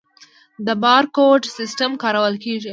د بارکوډ سیستم کارول کیږي؟